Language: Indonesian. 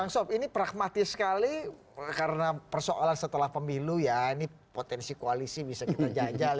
kang sob ini pragmatis sekali karena persoalan setelah pemilu ya ini potensi koalisi bisa kita jajal